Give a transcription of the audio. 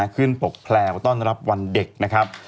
ปกแพลวต้อนรับวันเด็กนะครับ